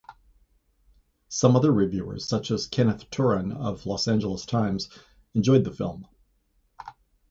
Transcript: Some other reviewers, such as Kenneth Turan of "Los Angeles Times", enjoyed the film.